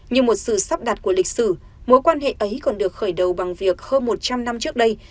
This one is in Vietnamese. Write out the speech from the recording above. như một sự sắp đặt của lịch sử mối quan hệ ấy còn được khởi đầu bằng việc hơn một trăm linh năm trước đây